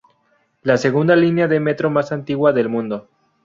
La segunda línea de metro más antigua del mundo.